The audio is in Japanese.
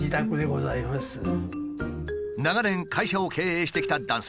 長年会社を経営してきた男性。